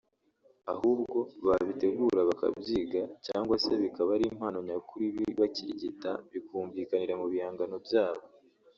ahubwo babitegura bakabyiga cyangwa se bikaba ari impano nyakuri iba ibakirigita bikumvikanira mu bihangano byabo